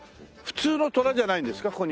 普通のトラじゃないんですか？